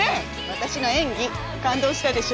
私の演技感動したでしょ？